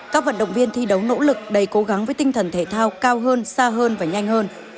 các vận động viên thi đấu nỗ lực đầy cố gắng với tinh thần thể thao cao hơn xa hơn và nhanh hơn